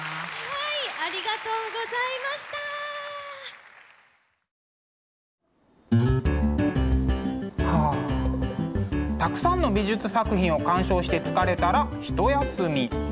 はあたくさんの美術作品を鑑賞して疲れたら一休み。